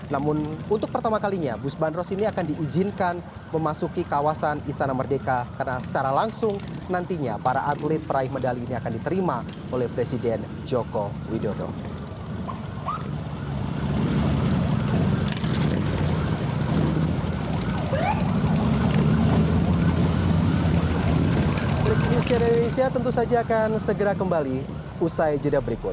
namun untuk pertama kalinya bus bandros ini akan diizinkan memasuki kawasan istana merdeka karena secara langsung nantinya para atlet peraih medali ini akan diterima oleh presiden joko widodo